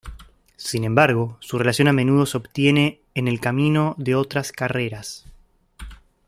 Sin embargo, su relación a menudo se obtiene en el camino de otras carreras.